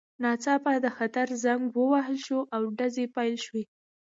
ناڅاپه د خطر زنګ ووهل شو او ډزې پیل شوې